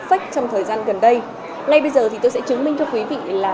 phách trong thời gian gần đây ngay bây giờ thì tôi sẽ chứng minh cho quý vị là